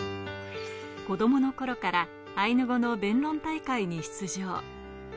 子供の頃からアイヌ語の弁論大会に出場。